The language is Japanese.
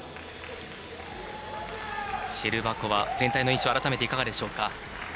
シェルバコワ、全体の印象改めていかがでしょうか？